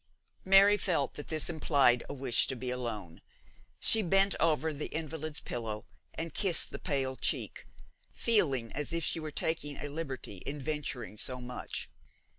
Mary felt that this implied a wish to be alone. She bent over the invalid's pillow and kissed the pale cheek, feeling as if she were taking a liberty in venturing so much.